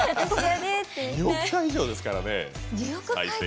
２億回以上ですからね。